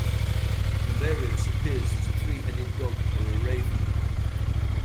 Naberius appears as a three-headed dog or a raven.